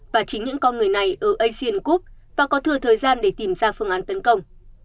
và chính những con người này ở asian gup và có thừa thời gian để tìm ra phương án tấn công